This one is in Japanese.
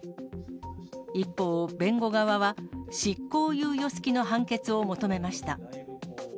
一方、弁護側は、執行猶予付きの判決を求めました。